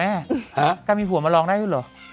แม่การมีผัวมันลองได้อยู่หรอ